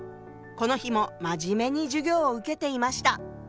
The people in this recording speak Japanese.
この日も真面目に授業を受けていました。